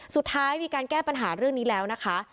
สุดท้ายมีการแก้ปัญหาเรื่องนี้แล้วนะคะ